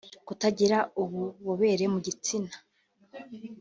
Kutagira ububobere mu gitsina